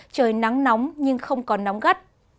trời nắng nóng nhưng không còn nóng gắt